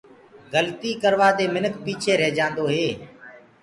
گلتيٚ ڪروآ دي منک پيٚچي رهيجآندو هي۔